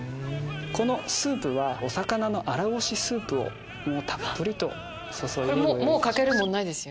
このスープはお魚のあらごしスープをたっぷりと注いで。